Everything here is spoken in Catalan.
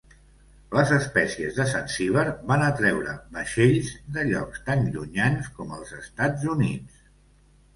Les espècies de Zanzíbar van atreure vaixells de llocs tan llunyans com els Estats Units.